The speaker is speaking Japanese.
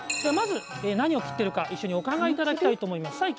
まず何を切ってるか一緒にお考えいただきたいと思います